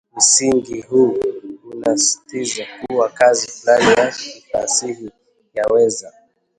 Msingi huu unasisitiza kuwa kazi fulani ya kifasihi yaweza